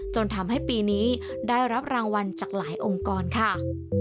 จนทำให้ปีนี้ได้รับรางวัลจากหลายองค์กรค่ะ